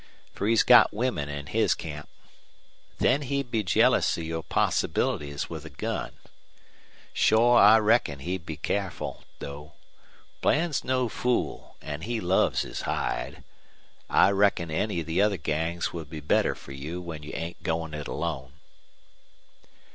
Fer he's got women in his camp. Then he'd be jealous of your possibilities with a gun. Shore I reckon he'd be careful, though. Bland's no fool, an' he loves his hide. I reckon any of the other gangs would be better fer you when you ain't goin' it alone."